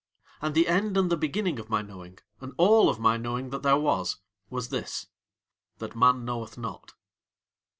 And the end and the beginning of my knowing, and all of my knowing that there was, was this that Man Knoweth Not.